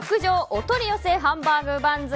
お取り寄せハンバーグ番付